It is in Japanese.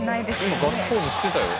今ガッツポーズしてたよ。